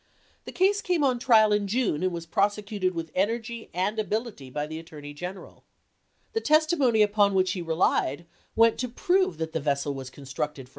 1863. The case came on for trial in June and was pros ecuted with energy and ability by the Attorney General. The testimony upon which he relied FOKEIGN RELATIONS IN 1863 257 went to prove that the vessel was constructed for chap.